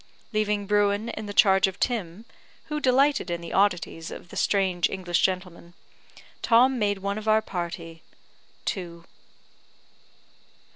Leaving Bruin in the charge of Tim (who delighted in the oddities of the strange English gentleman), Tom made one of our party to